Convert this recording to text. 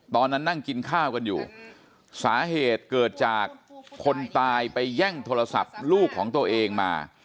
ตอนนั้นนั่งกินข้าวกันอยู่สาเหตุเกิดจากคนตายไปแย่งโทรศัพท์ลูกของตัวเองมา